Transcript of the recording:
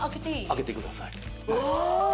開けてください。